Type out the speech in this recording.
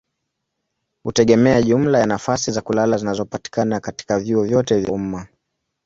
hutegemea jumla ya nafasi za kulala zinazopatikana katika vyuo vyote vya umma.